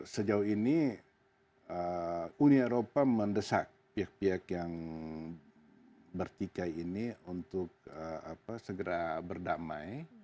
sejauh ini uni eropa mendesak pihak pihak yang bertikai ini untuk segera berdamai